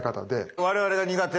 我々が苦手な。